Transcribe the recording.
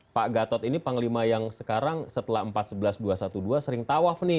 pak gatot ini panglima yang sekarang setelah empat sebelas dua ratus dua belas sering tawaf nih